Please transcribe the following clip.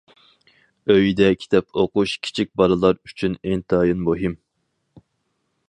ئۆيىدە كىتاب ئوقۇش كىچىك بالىلار ئۈچۈن ئىنتايىن مۇھىم.